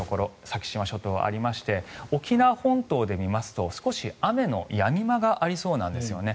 先島諸島、ありまして沖縄本島で見ますと少し雨のやみ間がありそうなんですよね。